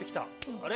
あれ？